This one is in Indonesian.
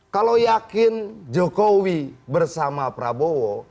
kalau yakin jokowi bersama prabowo